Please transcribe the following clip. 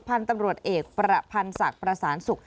พันธุ์ตำรวจเอกประพันธ์ศักดิ์ประสานสุข